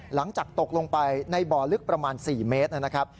หลังจากตกลงไปในบ่อลึกประมาณ๔เมตรนะครับ